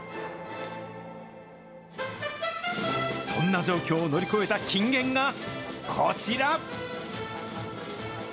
そんな状況を乗り越えた金言がこちら。